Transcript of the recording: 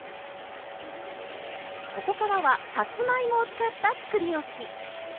ここからはさつまいもを使ったつくりおき！